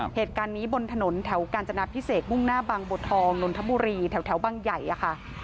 เหตุการณ์นี้บนถนนแถวกาญจนาพิเศษมุ่งหน้าบางบทองนนทบุรีแถวบางใหญ่อะค่ะ